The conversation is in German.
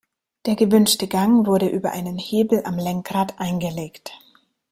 Der gewünschte Gang wurde über einen Hebel am Lenkrad eingelegt.